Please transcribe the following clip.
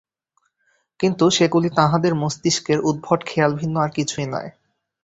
কিন্তু সেগুলি তাঁহাদের মস্তিষ্কের উদ্ভট খেয়াল ভিন্ন আর কিছুই নয়।